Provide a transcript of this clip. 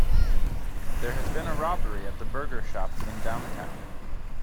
There has been a robbery at the burger shop in downtown.